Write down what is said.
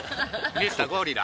ミスターゴリラ。